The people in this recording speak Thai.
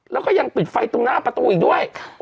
แล้วก็ยังปิดไฟตรงหน้าประตูอีกด้วย